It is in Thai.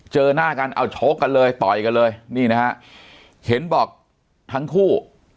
เจอหน้ากันเอาโชคกันเลยต่อยกันเลยนี่นะฮะเห็นบอกทั้งคู่